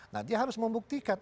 nah dia harus membuktikan